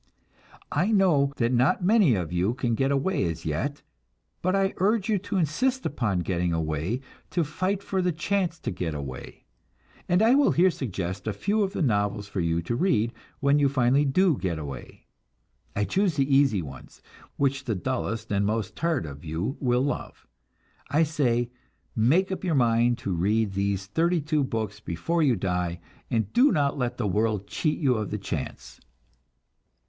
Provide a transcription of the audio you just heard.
I know that not many of you can get away as yet, but I urge you to insist upon getting away, to fight for the chance to get away; and I will here suggest a few of the novels for you to read when finally you do get away. I choose the easy ones, which the dullest and most tired of you will love; I say, make up your mind to read these thirty two books before you die, and do not let the world cheat you out of your chance!